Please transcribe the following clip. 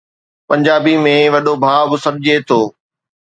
پنجابي ۾ وڏو ڀاءُ به سڏجي ٿو.